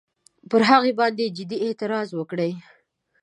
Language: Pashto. پر هغه باندي جدي اعتراض وکړي.